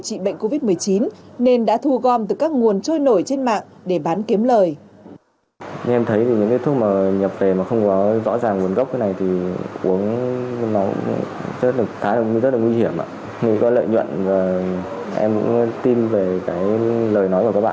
trị bệnh covid một mươi chín nên đã thu gom từ các nguồn trôi nổi trên mạng để bán kiếm lời